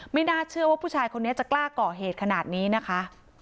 ไม่น่าเชื่อว่าผู้ชายคนนี้จะกล้าก่อเหตุขนาดนี้นะคะ